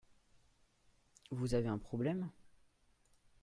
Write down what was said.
Vous avez un problème ?